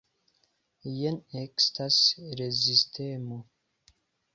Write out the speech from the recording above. Jen ekestas rezistemo.